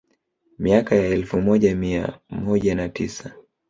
Miaka ya elfu moja mia moja na tisa